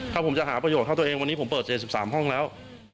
ถ้าผมจะหาประโยชน์เท่าตัวเองวันนี้ผมเปิด๗๓ห้องแล้ว